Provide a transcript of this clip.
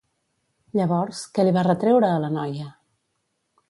Llavors, què li va retreure a la noia?